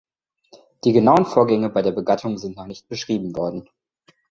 Die genauen Vorgänge bei der Begattung sind noch nicht beschrieben worden.